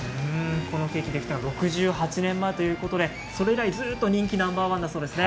このケーキができたのは６８年前ということでそれ以来、ずっと人気ナンバーワンだそうですね。